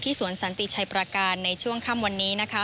สวนสันติชัยประการในช่วงค่ำวันนี้นะคะ